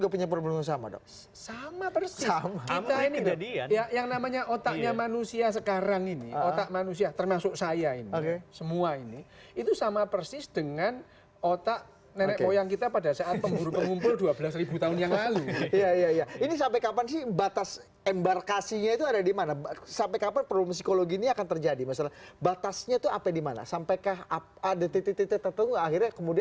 dan pengetahuan yang mungkin jauh